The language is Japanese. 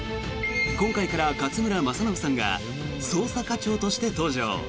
今回から勝村政信さんが捜査課長として登場。